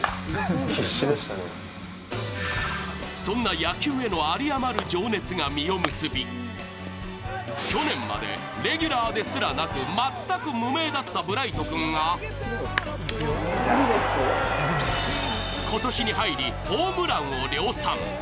そんな野球への有り余る情熱が実を結び去年までレギュラーですらなく、全く無名だったブライト君が今年に入りホームランを量産。